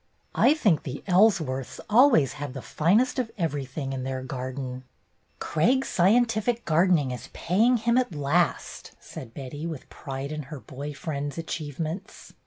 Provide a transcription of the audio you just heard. "I think the Ellsworths always have the finest of everything in their garden." "Craig's scientific gardening is paying him at last," said Betty, with pride in her boy friend's achievements.